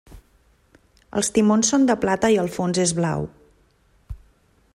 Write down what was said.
Els timons són de plata i el fons és blau.